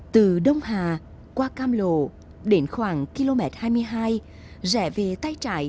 từ đông hà qua cam lộ đến khoảng km hai mươi hai rẻ về tay trải